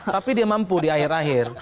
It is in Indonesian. tapi dia mampu di akhir akhir